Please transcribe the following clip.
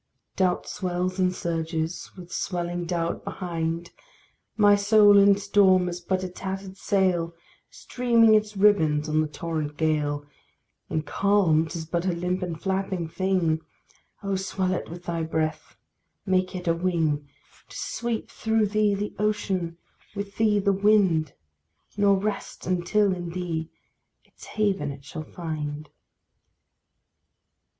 Doubt swells and surges, with swelling doubt behind! My soul in storm is but a tattered sail, Streaming its ribbons on the torrent gale; In calm, 'tis but a limp and flapping thing: Oh! swell it with thy breath; make it a wing, To sweep through thee the ocean, with thee the wind Nor rest until in thee its haven it shall find.